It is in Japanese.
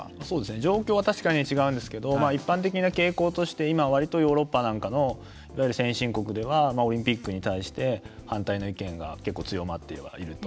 状況は確かに違うんですけど一般的な傾向として今は割とヨーロッパなんかのいわゆる先進国ではオリンピックに対して反対の意見が結構強まっていると。